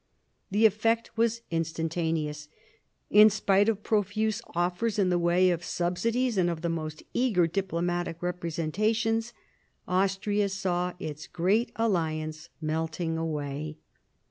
The effect was instantaneous. In spite of profuse offers in the way of subsidies, and of the most eager diplomatic representa tions, Austria saw its great alliance melting away.